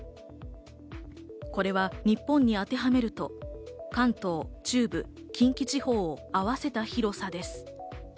これは日本に当てはめると、関東、中部、近畿地方を合わせた広さです。